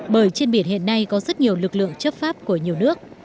bởi trên biển hiện nay có rất nhiều lực lượng chấp pháp của nhiều nước